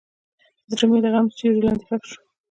زړه مې د غم تر سیوري لاندې ښخ شو.